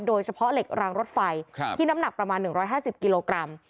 โดยเฉพาะเหล็กรางรถไฟที่น้ำหนักประมาณ๑๕๐กิโลกรัม